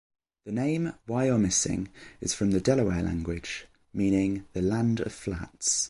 The name "Wyomissing" is from the Delaware language, meaning "the land of flats".